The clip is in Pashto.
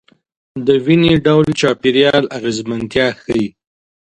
دویني ډول چاپیریال اغېزمنتیا ښيي.